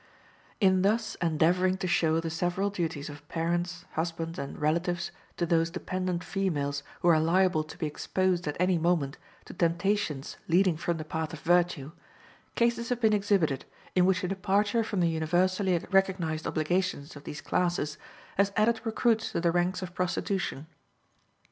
In thus endeavoring to show the several duties of parents, husbands, and relatives to those dependent females who are liable to be exposed at any moment to temptations leading from the path of virtue, cases have been exhibited in which a departure from the universally recognized obligations of these classes has added recruits to the ranks of prostitution.